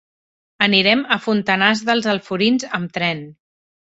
Anirem a Fontanars dels Alforins amb tren.